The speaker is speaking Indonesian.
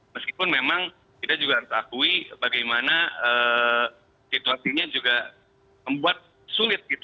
meskipun memang kita juga harus akui bagaimana situasinya juga membuat sulit